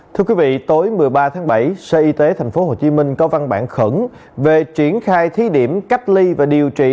thưa quý vị tối một mươi ba tháng bảy sở y tế tp hcm có văn bản khẩn về triển khai thí điểm cách ly và điều trị